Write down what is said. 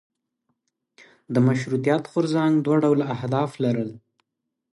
د مشروطیت غورځنګ دوه ډوله اهداف لرل.